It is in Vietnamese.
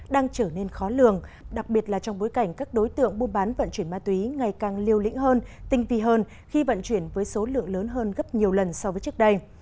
đang trở nên khó lường đặc biệt là trong bối cảnh các đối tượng buôn bán vận chuyển ma túy ngày càng liêu lĩnh hơn tinh vi hơn khi vận chuyển với số lượng lớn hơn gấp nhiều lần so với trước đây